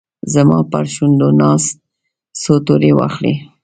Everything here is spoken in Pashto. زما پرشونډو ناست، څو توري واخلې